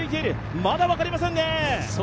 まだ分かりませんね。